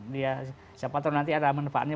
dia siapa tahu nanti ada manfaatnya